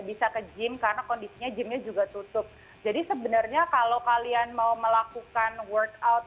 bisa ke gym karena kondisinya gymnya juga tutup jadi sebenarnya kalau kalian mau melakukan workout